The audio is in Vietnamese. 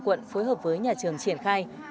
quận phối hợp với nhà trường triển khai